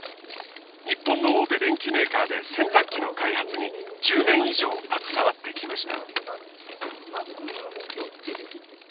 日本の大手電機メーカーで洗濯機の開発に１０年以上携わってきました。